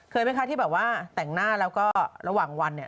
ไหมคะที่แบบว่าแต่งหน้าแล้วก็ระหว่างวันเนี่ย